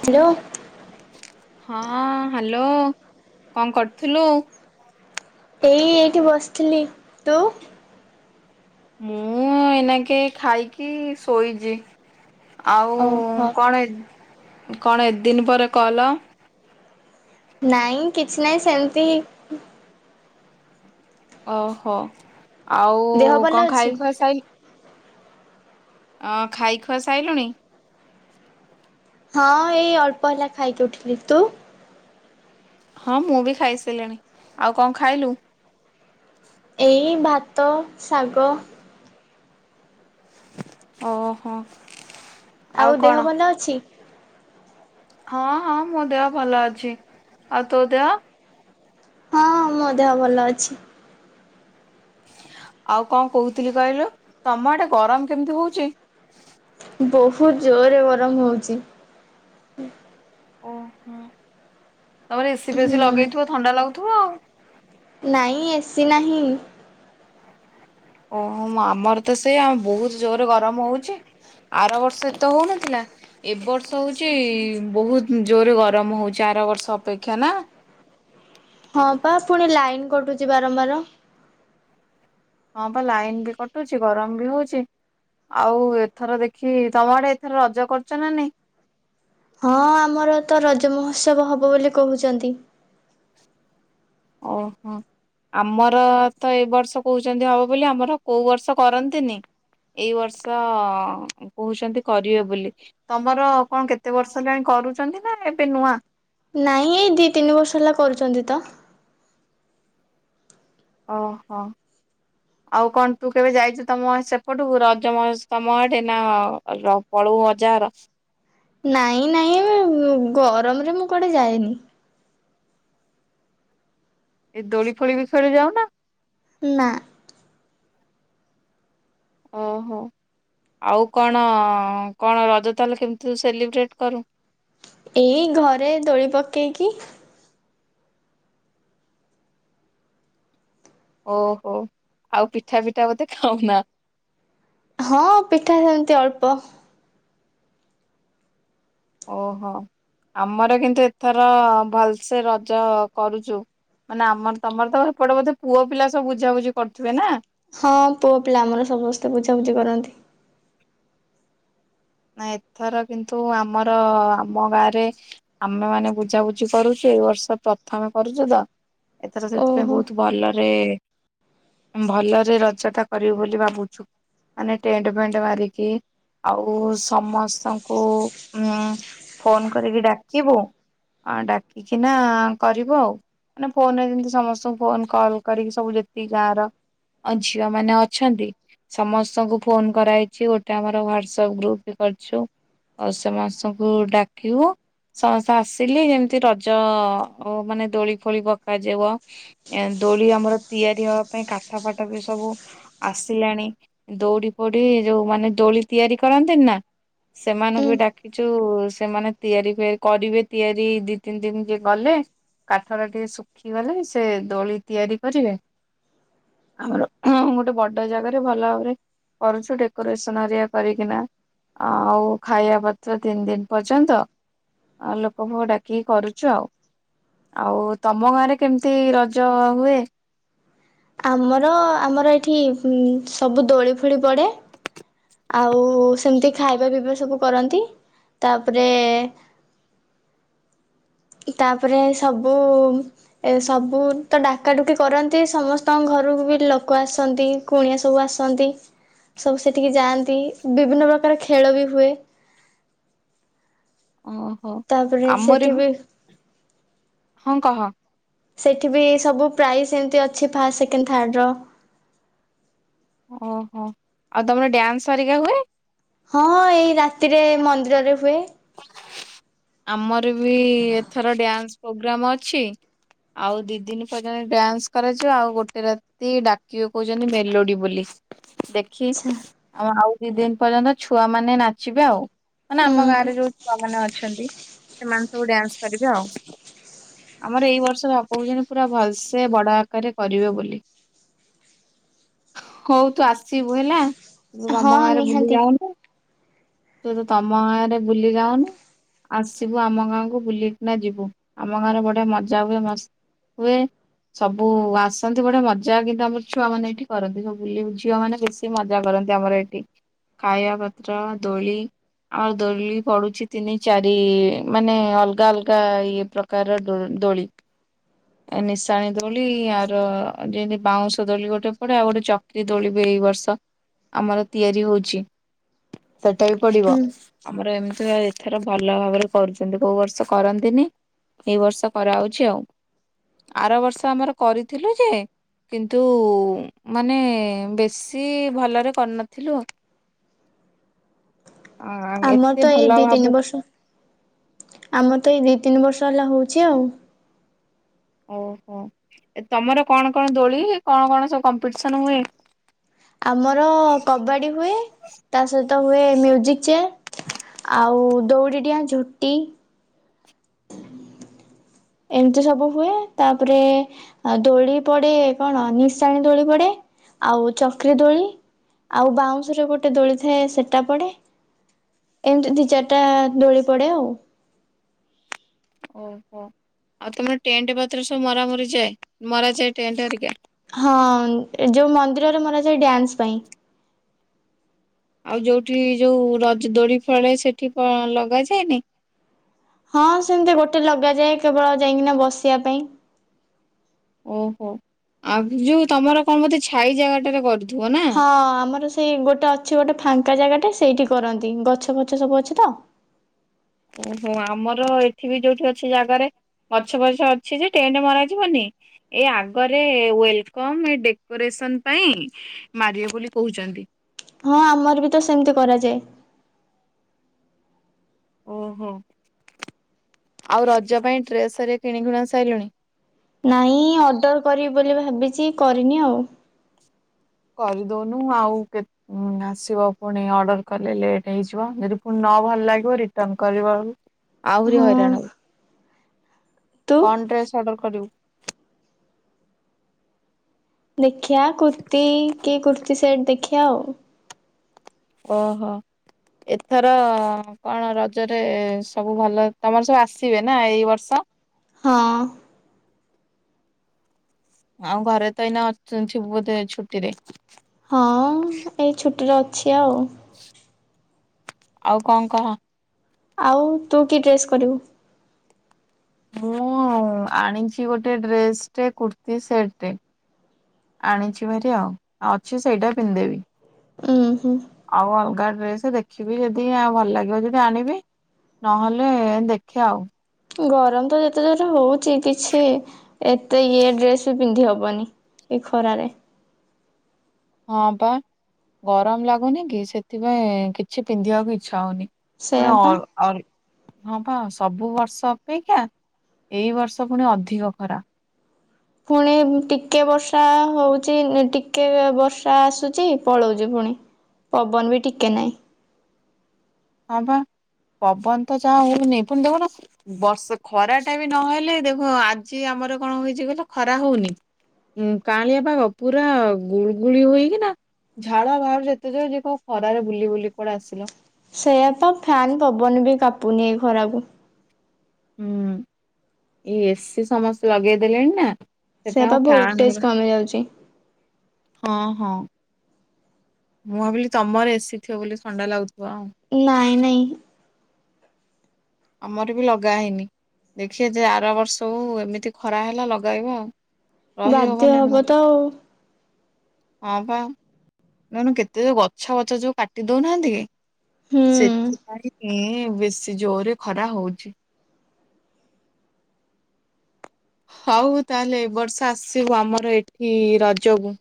Hello. ହଁ hello, କଣ କରୁଥିଲୁ? ଏଇ ଏଇଠି ବସିଥିଲି ତୁ। ମୁଁ ଏଇ ନାକେ ଖାଇକି ଶୋଇଛି। ଆଉ ଓହୋ କଣ ହେ କଣ ଏତ ଦିନ ପରେ କଲ। ନାଇଁ କିଛି ନାହିଁ ସେମିତି। ଓହୋ ଆଉ ଦେହ ଭଲ କଣ ଅଛି ଖାଇ ଖୁଆ ସାଇ ଅ ଖାଇ ଖୁଆ ସାଇିଲୁଣି? ହଁ ଏଇ ଅଳ୍ପ ହେଲା ଖାଇକି ଉଠିଲି, ତୁ। ହଁ ମୁଁ ବି ଖାଇସାରିଲିଣି, ଆଉ କଣ ଖାଇଲୁ? ଏଇ ଭାତ, ଶାଗ। ଓ ହୋ। ଆଉ ଦେହ ଭଲ ଅଛି? ହଁ ହଁ ମୋ ଦେହ ଭଲ ଅଛି ଆଉ ତୋ ଦେହ ହଁ ମୋ ଦେହ ଭଲ ଅଛି। ଆଉ କଣ କହୁଥିଲି କହିଲୁ ତମ ଆଡେ ଗରମ କେମିତି ହଉଛି? ବହୁତ ଜୋରରେ ଗରମ ହଉଛି। ଓ ହୋ। ତମର ଏସି ଫେସି ହୁଁ ଲଗେଇଥିବ ଥଣ୍ଡା ଲାଗୁ ଥିବ ଆଉ। ନାହିଁ ଏସି ନାହିଁ। ଓହୋ ଆମର ତ ସେଇଆ ବହୁତ ଜୋରେ ଗରମ ହଉଛି। ଆର ବର୍ଷ ତ ହେଉନଥିଲା। ଏବ ବର୍ଷ ହଉଛି ବହୁତ ଜୋରରେ ଗରମ ହଉଛି ଆର ବର୍ଷ ଅପେକ୍ଷା ନା। ହଁ ବା ପୁଣି ଲାଇନ କଟୁଛି ବାରମ୍ବାର। ହଁ ବା ଲାଇନ ବି କଟୁଛି ଗରମ ବି ହଉଛି ଆଉ ଏଥର ଦେଖି ତମ ଆଡେ ଏଥର ରଜ କରୁଛ ନା ନାଇଁ। ହଁ ଆମର ତ ରଜ ମହୋତ୍ସବ ହବ ବୋଲି କହୁଛନ୍ତି। ଓହୋ ଆମର ତ ଏଇ ବର୍ଷ କହୁଛନ୍ତି ହବ ବୋଲି ଆମର କୋଉ ବର୍ଷ କରନ୍ତିନି ଏଇ ବର୍ଷ କହୁଛନ୍ତି କରିବେ ବୋଲି ତମର କଣ କେତେ ବର୍ଷ ହେଲାଣି କରୁଛନ୍ତି ନା ଏବେ ନୂଆ। ନାଇଁ ଏଇ ଦି ତିନି ବର୍ଷ ହେଲା କରୁଛନ୍ତି ତ। ଓହୋ ଆଉ କଣ ତୁ କେବେ ଯାଇଛୁ ତମ ସେପଟୁ ରଜମହୋତ୍ସମ ତମ ଆଡେ ନା ପଳଉ ଅଜାଘର। ନାଇଁ ନାଇଁ ଗରମରେ ମୁଁ କଆଡେ ଯାଏନି। ଏ ଦୋଳି ଫୋଳି ବିଷୟରେ ଯାଉନା। ନା। ଓହୋ ଆଉ କଣ କଣ ରଜ ତାହାଲେ କେମିତି ସେଲିବ୍ରେଟ୍ କରୁ? ଏଇ ଘରେ ଦୋଳି ପକେଇକି। ଓହୋ ଆଉ ପିଠା ପିଠା ବୋଧେ ଖାଉନା? ହଁ ପିଠା ସେମିତି ଅଳ୍ପ। ଓହୋ ଆମର କିନ୍ତୁ ଏଥର ଭଲସେ ରଜ କରୁଛୁ ମାନେ ଆମର ତମର ତ ଏପଟେ ବୋଧେ ପୁଅ ପିଲା ସବୁ ବୁଝାବୁଝି କରୁଥିବେ ନା। ହଁ ପୁଅ ପିଲା ଆମର ସମସ୍ତେ ବୁଝାବୁଝି କରନ୍ତି। ନାଇ ଏଥର କିନ୍ତୁ ଆମର ଆମ ଗାଁରେ ଆମେ ମାନେ ବୁଝାବୁଝି କରୁଚୁ ଏଇ ବର୍ଷ ପ୍ରଥମେ କରୁଚୁ ତ। ଏଥର ସେଥିପାଇଁ ଓହୋ ବହୁତ ଭଲ। ରେ ଭଲରେ ରଜଟା କରିବୁ ବୋଲି ଭାବୁଚୁ ମାନେ ଟେଣ୍ଟ ଫେଣ୍ଟ ମାରିକି ଆଉ ବୋ ସମସ୍ତଙ୍କୁ ଉ ଫୋନ କରିକି ଡାକିବୁ ଆ ଡାକିକିନା କରିବୁ ଆଉ ମାନେ ଫୋନରେ ଯେମିତି ସମସ୍ତଙ୍କୁ ଫୋନ କଲ୍ କରିକି ସବୁ ଯେତିକି ଗାଁର ଝିଅ ମାନେ ଅଛନ୍ତି ସମସ୍ତଙ୍କୁ ଫୋନ କରାହେଇଛି ଗୋଟେ ଆମର ହ୍ୱାଟ୍ ଅପ୍ ସବ୍ ଗ୍ରୁପ କରିଛୁ ଆଉ ସମସ୍ତଙ୍କୁ ଡାକିବୁ ସମସ୍ତେ ଆସିଲେ ଯେମିତି ରଜ ମାନେ ଦୋଳି ଫୋଳି ପକାଯିବ ଏ ଦୋଳି ଆମର ତିଆରି ହବା ପାଇଁ କାଠ ଫାଠ ବି ସବୁ ଆସିଲାଣି ଦଉଡି ଫଉଡି ଯୋଉ ମାନେ ଦୋଳି ତିଆରି କରନ୍ତି ନା ସେମାନଙ୍କୁ ଉଁ। ବି ଡାକିଛୁ ସେମାନେ ତିଆରି କରିବେ ତିଆରି ଦି ତିନ୍ ଦିନ୍ ଯ ଗଲେ କାଠରେ ଟିକେ ଶୁଖିଗଲେ ସେ ଦୋଳି ତିଆରି କରିବେ ଆମର ଖୁଁ ଗୋଟେ ବଡ ଜାଗାରେ ଭଲ ଭାବରେ କରୁଛୁ। ଡେକୋରେସନ ହେରା କରି କିନା ଆଉ ଖାଇବା ପତ୍ର ତିନ୍ ଦିନ୍ ପର୍ଯ୍ୟନ୍ତ ଆଉ ଲୋକ ଫୋକ ଡାକିକି କରୁଚୁ ଆଉ। ଆଉ ତମ ଗାଁ ରେ କେମିତି ରଜ ହୁଏ? ଆମର ଆମର ଏଠି ଉ ସବୁ ଦୋଳି ଫୋଳି ପଡେ। ଖାଇବା ପିଇବା ସବୁ କରନ୍ତି ତାପରେ ତାପରେ ସବୁ ସବୁ ତ ଡାକାଡୁକି କରନ୍ତି ସମସ୍ତଙ୍କ ଘରକୁ ବି ଲୋକ ଆସନ୍ତି। କୁଣିଆ ସବୁ ଆସନ୍ତି। ସବୁ ସେ ଠିକି ଯାଆନ୍ତି ବିଭିନ୍ନ ପ୍ରକାର ଖେଳ ବି ହୁଏ। ଓହୋ ତାପରେ ସେଠି ଆମର ବି ହଁ କହ। ସେଠି ବି ସବୁ ପ୍ରାଇସ୍ ଏମିତି ଅଛି ଫାଷ୍ଟ୍ ସେକେଣ୍ଡ୍ ଥାର୍ଡ୍ ର। ଓହୋ ଆଉ ତମର ଡ୍ୟାନ୍ସ୍ ହେରିକା ହୁଏ? ହଁ ଏଇ ରାତିରେ ମନ୍ଦିରରେ ହୁଏ। ଆମର ବି ଏଥର ଡ୍ୟାନ୍ସ ପ୍ରୋଗ୍ରାମ ଅଛି ଆଉ ଦି ଦିନି ପର୍ଯ୍ୟନ୍ତ ଡ୍ୟାନ୍ସ କରାଯିବ ଆଉ ଗୋଟେ ରାତି ଡାକିବେ କହୁଛନ୍ତି ମେଲୋଡି ବୋଲି। ଦେଖି ଆଛା ଆଉ ଆଉ ଦି ଦିନ୍ ପର୍ଯ୍ୟନ୍ତ ଛୁଆ ମାନେ ନାଚିବେ ଆଉ। ମାନେ ଆମ ଗାଁ ରେ ଉଁ ଯୋଉ ଛୁଆମାନୋନେ ଅଛନ୍ତି। ସେମାନେ ସବୁ ଡ୍ୟାନ୍ସ୍ କରିବେ ଆଉ ଆମର ଏଇ ବର୍ଷ ବାପ କୋହୁଛନ୍ତି ପୁରା ଭଲସେ ବଡ ଆକାରରେ କରିବେ ବୋଲି। ହଉ ତୁ ଆସିବୁ ହେଲା। ହଁ ଆମ ଗାଁରେ ବୁଲି ନିହାତି ଯାନ୍ତେ। ତୁ ତ ତମ ଗାଁ ରେ ବୁଲି ଯାଉନୁ। ଆସିବୁ ଆମ ଗାଁକୁ ବୁଲିକିନା ଯିବୁ ଆମ ଗାଁରେ ବଢିଆ ମଜା ହୁଏ ମ ହୁଏ ସବୁ ଆସନ୍ତି ବଢିଆ ମଜା କିନ୍ତୁ ଆମର ଛୁଆମାନୋନେ ଏଇଠି କରନ୍ତି ସବୁ ବୁ ଝିଅ ମାନେ ବେଶୀ ମଜା କରନ୍ତି ଆମର ଏଇଠି ଖାଇବା ଖର୍ଚ୍ଚ ଦୋଳି ଆଉ ଦୋଳି ପଡୁଛି ତିନି ଚାରି ମାନେ ଅଲଗା ଅଲଗା ଇଏ ପ୍ରକାରର ଦୋ ଦୋଳି ନିଶାଣି ଦୋଳି ଆର ଯେମତି ବାଉଁଶ ଦୋଳି ଗୋଟେ ପଡେ ଆଉ ଗୋଟେ ଚକ୍ରି ଦୋଳି ବି ଏଇ ବର୍ଷ ଆମର ତିଆରି ହଉଚି। ସେଟା ବି ପଡିବ ହୁଁ ଆମର ଏମ୍ [unintelligible] ଥର ଭଲ ଭାବରେ କରଚନ୍ତି କୋଉ ବର୍ଷ କରନ୍ତିନି ଏଇ ବର୍ଷ କରାହୋଉଚି ଆଉ ଆର ବର୍ଷ ଆମର କରିଥିଲୁ ଯେ କିନ୍ତୁ ମାନେ ବେଶୀ ଭଲରେ କରିନଥିଲୁ। ଆ ଆମର ଏତେ ତ ଭଲ ଏଇ ଦି ତିନି ଭାବ ବର୍ଷ ଆମର ତ ଏଇ ଦି ତିନି ବର୍ଷ ଚଲା ହେଉଛି ଆଉ। ଓହୋ ତମର କଣ କଣ ଦୋଳି କଣ କଣ ସବୁ କମ୍ପିଟିସନ ହୁଏ? ଆମର କବାଡି ହୁଏ ତା ସହିତ ହୁଏ ମ୍ୟୁଜିକ ଚେୟାର ଆଉ ଦଉଡି ଡିଆ ଝୁଟି ଏମିତି ସବୁ ହୁଏ ତାପରେ ଦୋଳି ପଡେ କଣ ନିଶାଣି ଦୋଳି ପଡେ ଆଉ ଚକ୍ରି ଦୋଳି ଆଉ ବାଉଁଶରେ ଗୋଟେ ଦୋଳି ଥାଏ ସେଟା ପଡେ ଏମିତି ଦି ଚାରିଟା ଦୋଳି ପଡେ ଆଉ। ଓହୋ ଆଉ ତମର ଟେଣ୍ଟ ପତ୍ର ସବୁ ମରା ମରି ଯାଏ ମରା ଯାଏ ଟେଣ୍ଟ ହେରିକା? ହଁ ଯୋଉ ମନ୍ଦିରରେ ମରା ଯାଏ ଡ୍ୟାନ୍ସ୍ ପାଇଁ। ଆଉ ଯୋଉଠି ଯୋଉ ରଜ ଦୋଳି ଫଳେ ସେଠି କଣ ଲଗାଯାଏନି? ହଁ ସେମିତି ଗୋଟେ ଲଗାଯାଏ କେବଳ ଯାଇକିନା ବସିବା ପାଇଁ। ଓହୋ ଆଉ ଯୋଉ ତମର କଣ ମତେ ଛାଇ ଜାଗାଟାରେ କର୍ ହଁ ଆମର ସେଇ ଗୋଟେ ଅଛି ଗୋଟେ ଫାଙ୍କା ଜାଗା ତ ସେଇଠି କରନ୍ତି ଗଛ ଫଛ ସବୁ ଅଛି ତ। ଓହୋ ଆମର ଏଠି ବି ଯୋଉଠି ଅଛି ଜାଗାରେ ଗଛ ପଛ ଅଛି ଯେ ଟେଣ୍ଟେ ମରାଯିବନି ଏ ଆଗରେ ୱେଲକମ ଏ ଡେକୋରେସନ ପାଇଁ ମାରିବେ ବୋଲି କହୁଛନ୍ତି। ହଁ ଆମର ବି ତ ସେମିତି କରାଯାଏ। ଓହୋ ଆଉ ରଜ ପାଇଁ ଡ୍ରେସରେ କିଣି କୁଣା ସାରିଲୁଣି। ନାଇଁ ଅର୍ଡର କରିବି ବୋଲି ଭା ଭାବିଛି କରିନି ଆଉ। କରିଦଉନୁ ଆଉ କେତ ଆସିବ ପୁଣି ଅର୍ଡର କଲେ ଲେଟ୍ ହେଇଯିବ ଯଦି ପୁଣି ନ ଭଲ ଲାଗିବ ରିଟନ କରିବବି। ଆହୁରି ହଁ ହଇରାଣଉ। ତୁ କଣ ଡ୍ରେସ୍ ଅର୍ଡର କରିବୁ? ଦେଖିବା କୁର୍ତିୀ କି କୁର୍ତ୍ତିୀ ସେଟ ଦେଖିଆ ଆଉ। ଓହୋ ଏଥର କଣ ରଜରେ ସବୁ ଭଲ ତମର ସବୁ ଆସିବେ ନା ଏଇ ବର୍ଷ। ହଁ। ଆଉ ଘରେ ତ ଏଇନା ଥିବୁ ବୋଧେ ଛୁଟିରେ। ହଁ ଏଇ ଛୁଟିରେ ଅଛି ଆଉ। ଆଉ କଣ କହ? ଆଉ ତୁ କି ଡ୍ରେସ୍ କରିବୁ? ମୁଁ ଆଣିଛି ଗୋଟେ ଡ୍ରେସଟେ କୁର୍ତ୍ତିୀ ସେଟଟେ ଆଣିଛି ଭାରି ଆଉ ଅଛି ସେଇଟା ପିନ୍ଧିଦେବି। ଉୁଁ ହୁଁ [inaudible] ଆଉ ଅଲଗା ଡ୍ରେସ ଦେଖିବି ଯଦି ଭଲ ଲାଗିବ ଯଦି ଆଣିବି ନହେଲେ ଦେଖିଆ ଆଉ। ଗରମ ତ ଯେତେ ଜୋରେ ହଉଛି କିଛି ଏତେ ଇଏ ଡ୍ରେସ ପିନ୍ଧି ହବନି ଏ ଖରାରେ। ହଁ ପା ଗରମ ଲାଗୁନି କି ସେଥିପାଇଁ କିଛି ପିନ୍ଧିବାକୁ ଇଛା ହଉନି। ପୁଣି ସେଇଆ ପା। ଅ ହଁ ପା ସବୁ ବର୍ଷ ଅପେକ୍ଷା ଏଇ ବର୍ଷ ପୁଣି ଅଧିକ ଖରା। ପୁଣି ଟିକେ ବର୍ଷା ହଉଛି ଟିକେ ବର୍ଷା ଆସୁଛି ପଳଉଛି ପୁଣି ପବନ ବି ଟିକେ ନାହିଁ। ହଁ ପା ପବନ ତ ଯାହା ହଉନି ପୁଣି ଦେଖୁନୁ ବର୍ଷ ଖରା ଟା ବି ନହେଲେ ଦେଖ ଆଜି ଆମର କଣ ହେଇଛି କହିଲ ଖରା ହଉନି କାଆଁଳିଆ ପାଗ ପୁରା ଗୁଳୁଗୁଳି ହୋଇକିନା ଝାଳ ବାହାରୁଚି ଏତେ ଯେ ଯିଏ କହିବ ଖରାରେ ବୁଲି ବୁଲି କୁଆଡେ ଆସିଲ। ସେଇଆ ପା ଫ୍ୟାନ ପବନ ବି କାପୁନି ଏଇ ଖରାକୁ। ହୁଁ ଏଇ ଏସିି ସମସ୍ତେ ଲଗେଇଦେଲେଣି ନା ସେଇଆ ସେଥିପାଇଁ ତ ଆଉ ଫ୍ୟାନ୍ ଭୋଲଟେଜ ଗୁରା କମି ଯାଉଛି। ହଁ ହଁ ମୁଁ ଭାବିଲି ତମର ଏସିଥିବ ବୋଲି ଥଣ୍ଡା ଲାଗୁ ନାଇଁ ନାଇଁ। ଆମର ବି ଲଗା ହେଇନି ଦେଖିଆ ଯେ ଆର ବର୍ଷ ହଉ ଏମିତି ଖରା ହେଲା ଲଗେଇବା ଆଉ। ବାଧ୍ୟ ରହିହବନି ହବ ନହେଲେ। ତ ଆଉ। ହଁ ପା ଦେଖୁନୁ କେତେ ଯୋଉ ଗଛ ପଛ ଯୋଉ କାଟି ଦଉନାହାନ୍ତି କି ହୁଁ। ସେଥି ପାଇଁ ଏ ବେଶୀ ଜୋରରେ ଖରା ହଉଛି। ହଉ ତାହେଲେ ଏ ବର୍ଷ ଆସିବୁ ଆମର ଏଠି ରଜକୁ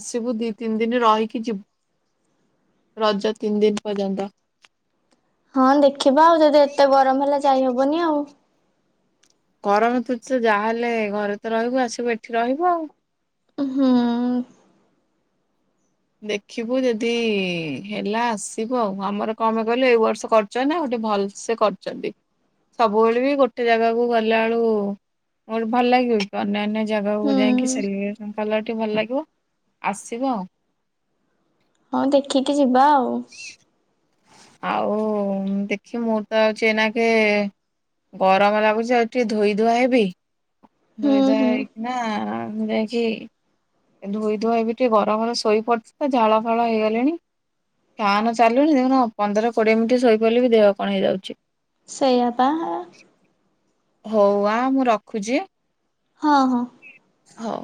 ଆସିବୁ ଦି ତିନି ଦିନ ରହିକି ଯିବୁ ରଜ ତିନି ଦିନ ପର୍ଯ୍ୟନ୍ତ। ହଁ ଦେଖିବା ଆଉ ଯଦି ଏତେ ଗରମ ହେଲା ଯାଇହବନି ଆଉ। କରମ ତୁଛ ଯାହାହଲେ ଘରେ ତ ରହିବୁ ଆସିବୁ ଏଠି ରହିବୁ ଆଉ। ହୁଁ। ଦେଖିବୁ ଯଦି ହେଲା ଆସିବୁ ଆଉ ଆମର କଣପାଇଁ କହିଲୁ ଏଇ ବର୍ଷ କରିଛନ୍ତି ଆଉ ଗୋଟେ ଭଲ ସେ କରିଛନ୍ତି ସବୁବେଳେ ବି ଗୋଟେ ଜାଗାକୁ ଗଲାବେଳୁ ଭଲ ଲାଗିବ କି ଅନ୍ୟାନ୍ୟ ଜାଗାକୁ ହୁଁ ଯାଇଁକି ସେଲ୍ ଗଲାଠୁ ଭଲ ଲାଗିବ ଆସିବୁ ଆଉ ହଁ ଦେଖିକି ଯିବା ଆଉ। ଆଉ ଦେଖେ ମୁଁ ତ ହେଉଛି ଏଇନାକେ ଗରମ ଲାଗୁଛି ଆଉ ଟିକେ ଧୋଇ ଧୁଆ ହେବି ହୁଁ ଧୋଇ ଧୂଆ ହୁଁ ହେଇକି ନା। ମୁ ଯାଇକିି। ଧୋଇ ଧୂଆ ହେବି ଟିକେ ଗରମରେ ଶୋଇ ପଡ଼ିଥିଲିତ ଝାଳ ଫାଳ ହେଇଗଲିଣି ଫ୍ୟାନ ଚାଲୁଣିି ଦେଖୁ ପନ୍ଦର କୋଡିଏ ମିନିଟ୍ ଶୋଇପଡ଼ିଲେ ବି ଦେହ କଣ ହେଇଯାଉଛି। ସେଇଆ ପା। ହଉ ଆ ମୁଁ ରଖୁଛି। ହଁ ହଁ। ହଉ।